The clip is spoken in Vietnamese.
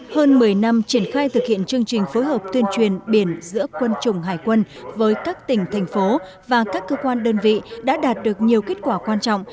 hơn một mươi năm triển khai thực hiện chương trình phối hợp tuyên truyền biển giữa quân chủng hải quân với các tỉnh thành phố và các cơ quan đơn vị đã đạt được nhiều kết quả quan trọng